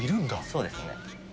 そうですね。